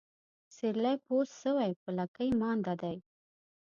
سيرلى پوست سوى ، په لکۍ مانده دى.